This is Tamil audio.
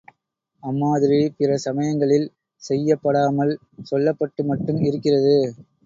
அம்மாதிரி பிற சமயங்களில் செய்யப்படாமல், சொல்லப்பட்டு மட்டும் இருக்கிறது.